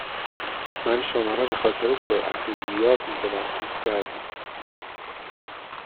من شما را به خاطر سرعت زیاد متوقف کردم.